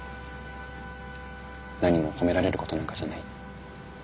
何も褒められることなんかじゃない。